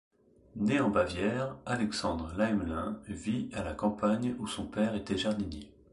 Né en Bavière, Alexandre Laemlein vit à la campagne où son père était jardinier.